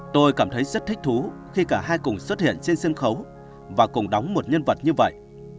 tôi cảm thấy rất thích thú khi cả hai cùng xuất hiện trên sân khấu và cùng đóng một nhân vật như vậy